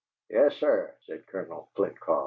"Yes, sir!" said Colonel Flitcroft.